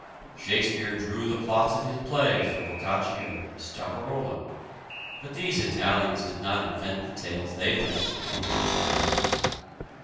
Shakespeare drew the plots of his plays from Boccaccio or Straparola; but these Italians did not invent the tales they lent to the English dramatist.